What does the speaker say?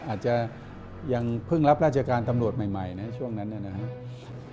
อาจจะยังเพิ่งรับราชการตำรวจใหม่นะช่วงนั้นนะครับ